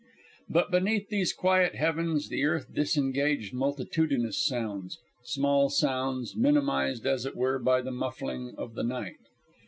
But beneath these quiet heavens the earth disengaged multitudinous sounds small sounds, minimized as it were by the muffling of the night.